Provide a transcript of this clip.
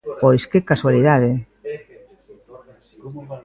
Pois, ¡que casualidade!